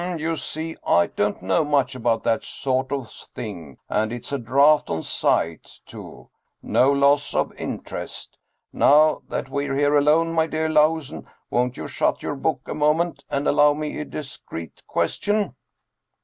" Hm, you see I don't know much about that sort of thing. And it's a draft on sight, too, no loss of interest. Now that we're here alone, my dear Lahusen, won't you shut your book a moment, and allow me a discreet ques tion?"